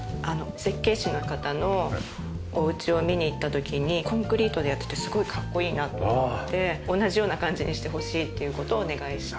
設計士の方のお家を見に行った時にコンクリートでやっててすごいかっこいいなと思って同じような感じにしてほしいという事をお願いして。